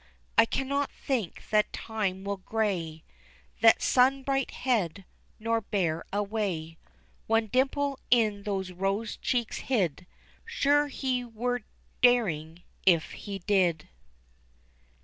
I cannot think that time will gray That sun bright head, nor bear away One dimple in those rose cheeks hid; Sure he were daring if he did.